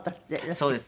そうです。